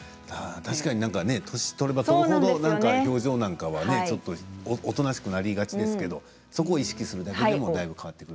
確かに年を取れば取るほどなんか表情なんかはおとなしくなりがちですけどそこを意識するだけでもだいぶ変わってくる。